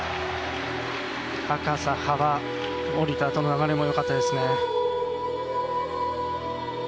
高さ、幅、降りたあとの流れもよかったですね。